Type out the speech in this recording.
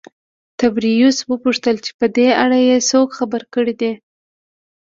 تبریوس وپوښتل چې په دې اړه یې څوک خبر کړي دي